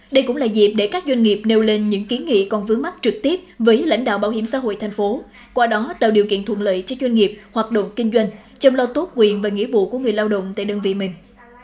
đây cũng là dịp để các doanh nghiệp nêu lên những kiến nghị còn vướng mắt trực tiếp với lãnh đạo bảo hiểm xã hội thành phố qua đó tạo điều kiện thuận lợi cho doanh nghiệp hoạt động kinh doanh chăm lo tốt quyền và nghĩa vụ của người lao động tại đơn vị mình